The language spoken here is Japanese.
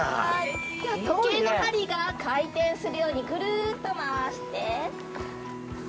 時計の針が回転するようにぐるっと回して。